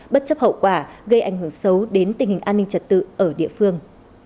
bất chấp hậu quả gây ảnh hưởng xấu đến tình hình an ninh trật tự ở địa phương